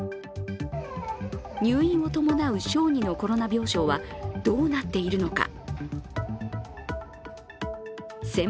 入院を伴う小児のコロナ病床はどうなっているのか。